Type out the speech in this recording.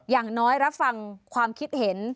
อย่างน้อยรับฟังความคิดเห็น